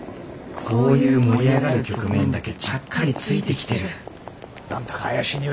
こういう盛り上がる局面だけちゃっかりついてきてる何だか怪しいにおいがプンプンするな。